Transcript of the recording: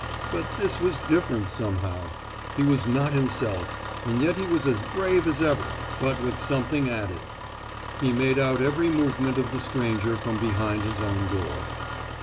But this was different, somehow; he was not himself, and yet he was as brave as ever, but with something added. He made out every movement of the stranger from behind his own door.